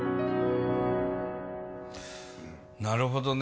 なるほどね。